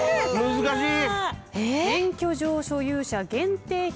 難しい。